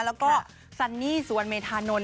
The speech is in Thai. แล้วก็ซันนี่สุวรรณเมธานนท